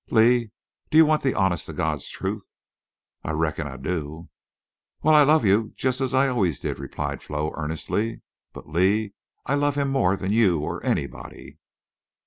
"Lee, do you want the honest to God's truth?" "I reckon—I do." "Well, I love you just as I always did," replied Flo, earnestly. "But, Lee, I love—him more than you or anybody."